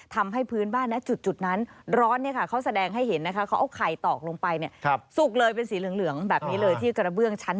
ทำให้พื้นบ้านจุดนั้นร้อนเขาแสดงให้เห็นนะคะเขาเอาไข่ตอกลงไปสุกเลยเป็นสีเหลืองแบบนี้เลยที่กระเบื้องชั้น